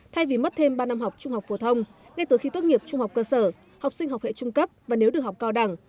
thay vì mất thêm ba năm học trung học phổ thông ngay từ khi tốt nghiệp trung học cơ sở học sinh học hệ trung cấp và nếu được học cao đẳng